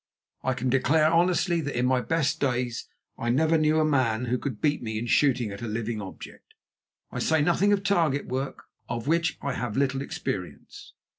I can declare honestly that in my best days I never knew a man who could beat me in shooting at a living object; I say nothing of target work, of which I have little experience.